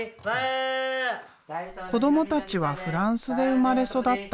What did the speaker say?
子どもたちはフランスで生まれ育った。